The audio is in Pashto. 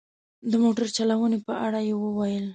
د موټر چلونې په اړه یې وویل.